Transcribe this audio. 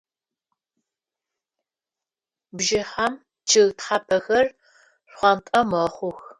Бжыхьэм чъыг тхьапэхэр шхъуантӏэ мэхъух.